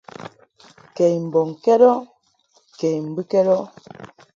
Kɛ i mbɔŋkɛd ɔ kɛ I mbɨkɛd ɔ.